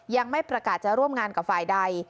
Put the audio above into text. ยังไม่ประกาศจะร่วมงานกับฝ่ายใด